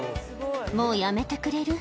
「もうやめてくれる？